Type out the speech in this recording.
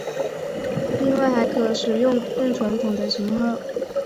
另外还可使用更传统的型号。